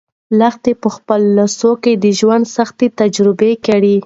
لښتې په خپلو لاسو کې د ژوند سختۍ تجربه کړې.